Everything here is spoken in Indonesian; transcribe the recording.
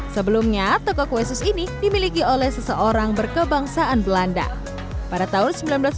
sebelumnya toko kue sus ini dimiliki oleh seseorang berkebangsaan belanda pada tahun